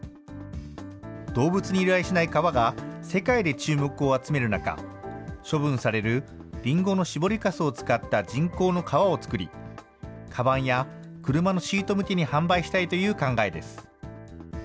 動物に由来しない革が世界で注目を集める中、処分されるりんごの搾りかすを使った人工の革を作り、かばんや車のシート向けに販売したいという考えです。